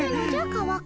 川上。